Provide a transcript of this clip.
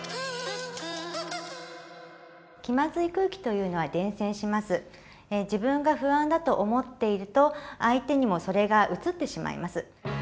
これは自分が不安だと思っていると相手にもそれがうつってしまいます。